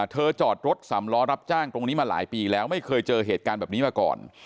จอดรถสำล้อรับจ้างตรงนี้มาหลายปีแล้วไม่เคยเจอเหตุการณ์แบบนี้มาก่อน